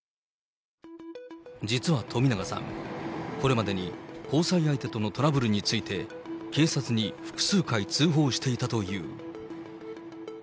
実は冨永さん、これまでに交際相手とのトラブルについて、警察に複数回通報していたという。